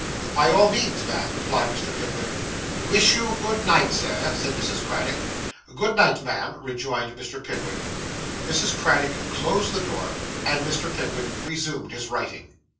'By all means, ma'am,' replied Mr. Pickwick. 'Wish you good night, Sir,' said Mrs. Craddock. 'Good night, ma'am,' rejoined Mr. Pickwick. Mrs. Craddock closed the door, and Mr. Pickwick resumed his writing.